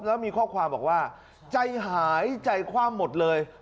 แล้วมีข้อความบอกว่าใจหายใจคว่ำหมดเลย